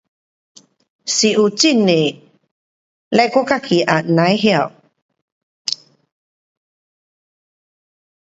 是有很多，嘞我自己也甭晓。